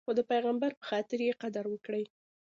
خو د پیغمبر په خاطر یې قدر وکړئ.